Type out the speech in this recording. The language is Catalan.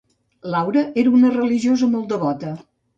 Laura era una religiosa molt devota.